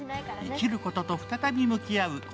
生きることと再び向き合う